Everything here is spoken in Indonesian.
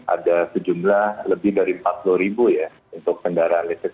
ada sejumlah lebih dari empat puluh ribu ya untuk kendaraan listrik